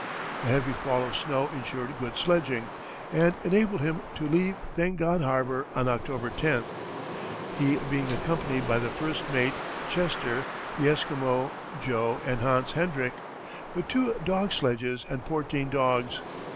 A heavy fall of snow insured good sledging and enabled him to leave Thank God Harbor on October 10th, he being accompanied by the first mate, Chester, the Esquimaux, Joe and Hans Hendrick, with two dog sledges and fourteen dogs.